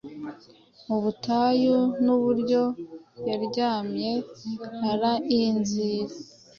Mu butayu, nuburyo yaryamye arainzira